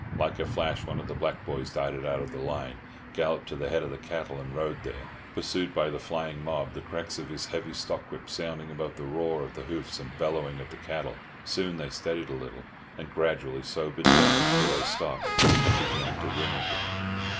Like a flash one of the black boys darted out of the line, galloped to the head of the cattle, and rode there, pursued by the flying mob, the cracks of his heavy stockwhip sounding above the roar of hoofs and the bellowing of the cattle. Soon they steadied a little, and gradually sobered down till they stopped and began to "ring" again.